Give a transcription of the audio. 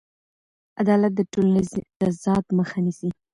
عدالت د ټولنیز تضاد مخه نیسي.